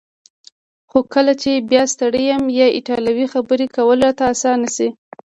خو کله چې بیا ستړی یم په ایټالوي خبرې کول راته اسانه شي.